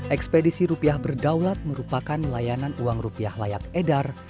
ekspedisi rupiah berdaulat merupakan layanan uang rupiah layak edar